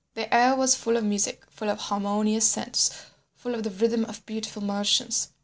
"The air was full of music, full of harmonious scents, full of the rhythm of beautiful motions.